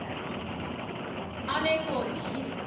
姉小路秀子。